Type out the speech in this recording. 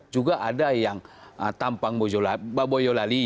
juga ada yang tampang boyolali